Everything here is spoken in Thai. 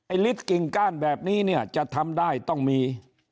ฤทธิกิ่งก้านแบบนี้เนี่ยจะทำได้ต้องมี